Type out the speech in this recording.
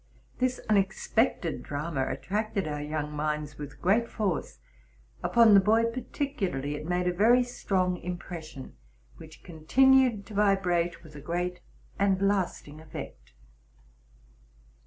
This unexpected drama attracted our young minds with great force ; upon the boy particularly it made a very strong impression, which continued to vibrate with a great and lasting effect.